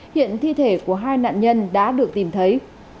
hiện thi thể của hai nạn nhân đã được tìm thấy